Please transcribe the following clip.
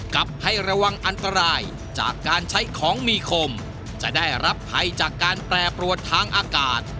กับให้ระวังอันตรายจากการใช้ของมีคมจะได้รับภัยจากการแปรปรวดทางอากาศ